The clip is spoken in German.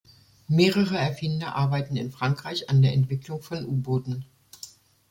Mehrere Erfinder arbeiteten in Frankreich an der Entwicklung von U-Booten.